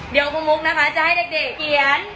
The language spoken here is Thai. เดี๋ยวคุณมุกนะคะจะให้เด็กเขียน